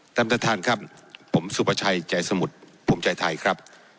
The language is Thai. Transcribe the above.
ท่านประธานครับผมสุประชัยใจสมุทรภูมิใจไทยครับ